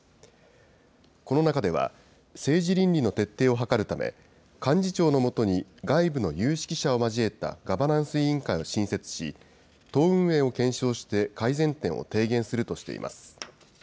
この中では、政治倫理の徹底を図るため、幹事長の下に外部の有識者を交えたガバナンス委員会を新設し、党運営を検証して、改善点を提言するとしています。